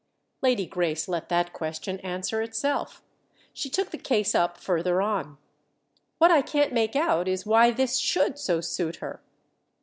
Lady Grace let that question answer itself—she took the case up further on. "What I can't make out is why this should so suit her!"